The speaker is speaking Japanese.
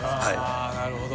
あなるほど。